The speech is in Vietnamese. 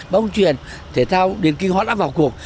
bóng truyền thể thao điện kinh họa đã vào cuộc